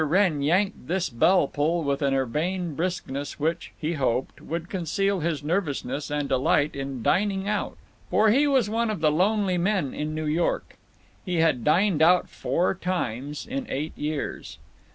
Wrenn yanked this bell pull with an urbane briskness which, he hoped, would conceal his nervousness and delight in dining out. For he was one of the lonely men in New York. He had dined out four times in eight years.